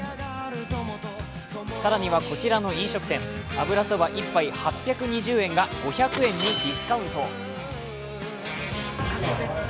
更には、こちらの飲食店、油そば１杯８２０円が５００円にディスカウント。